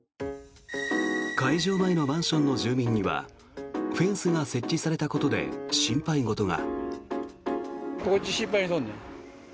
会場前のマンションの住民にはフェンスが設置されたことで心配事が。